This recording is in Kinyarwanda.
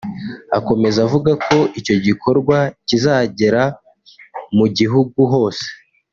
Akomeza avuga ko icyo gikorwa kizagera mu gihugu hose